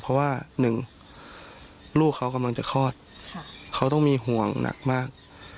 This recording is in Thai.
เพราะว่าหนึ่งลูกเขากำลังจะคลอดเขาต้องมีห่วงหนักมาก